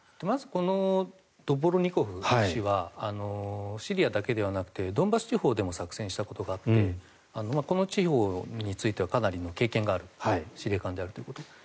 まず、ドボルニコフ氏はシリアだけでなくてドンバス地方でも作戦したことがあってこの地方についてはかなりの経験がある司令官であるということ。